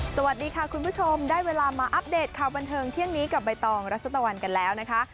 สวัสดีค่ะคุณผู้ชมได้เวลามาอัปเดตข่าวบันเทิงเที่ยงนี้กับใบตองรัชตะวันกันแล้วนะคะ